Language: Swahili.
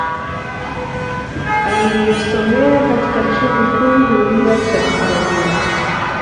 Aliyosomea katika chuo kikuu huria cha Tanzania